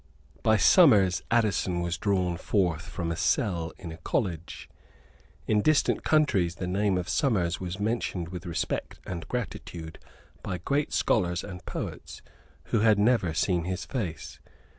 By Somers Addison was drawn forth from a cell in a college. In distant countries the name of Somers was mentioned with respect and gratitude by great scholars and poets who had never seen his face.